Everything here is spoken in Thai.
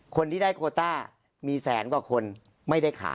คนที่ได้โคต้ามีแสนกว่าคนไม่ได้ขาย